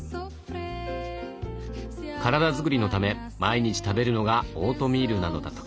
体づくりのため毎日食べるのがオートミールなのだとか。